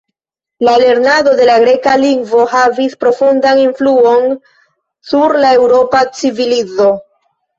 La lernado de la Greka lingvo havis profundan influon sur la Eŭropa civilizo.